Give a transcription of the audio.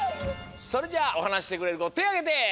それじゃあおはなししてくれるこてあげて！